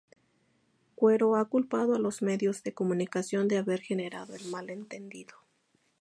Cuero ha culpado a los medios de comunicación de haber generado el mal entendido.